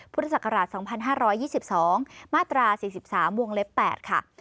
พุทธศักราช๒๕๒๒มาตรา๔๓วงเล็บ๘ค่ะ